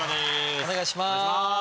お願いします。